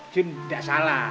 jun gak salah